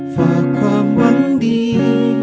ฝากความหวังดี